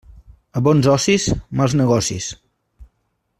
A bons ocis, mals negocis.